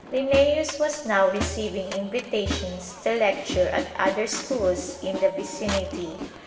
Linnæus was now receiving invitations to lecture at other schools in the vicinity.